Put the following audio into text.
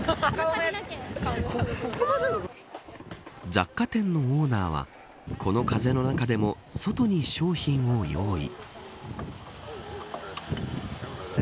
雑貨店のオーナーはこの風の中でも外に商品を用意。